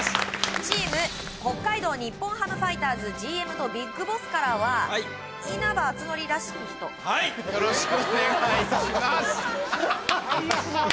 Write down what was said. チーム北海道日本ハムファイターズＧＭとビッグボスからは稲葉篤紀らしき人はいよろしくお願いしますははははっ